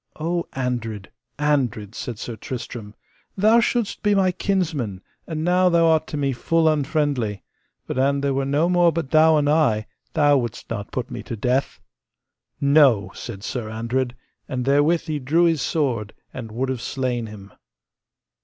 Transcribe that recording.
O Andred, Andred, said Sir Tristram, thou shouldst be my kinsman, and now thou art to me full unfriendly, but an there were no more but thou and I, thou wouldst not put me to death. No! said Sir Andred, and therewith he drew his sword, and would have slain him.